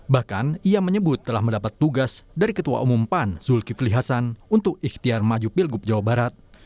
bahkan ia menyebut telah mendapat tugas dari ketua umum pan zulkifli hasan untuk ikhtiar maju pilgub jawa barat